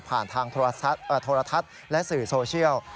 ผ่านทางโทรทัศน์และสื่อโซเชียล